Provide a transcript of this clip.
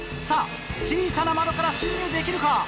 さぁ小さな窓から進入できるか？